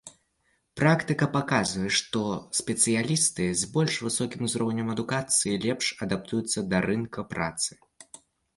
Практыка паказвае, што спецыялісты з больш высокім узроўнем адукацыі лепш адаптуюцца да рынка працы.